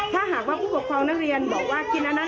ถ้าหากว่าผู้ปกครองนักเรียนบอกว่ากินอันนั้น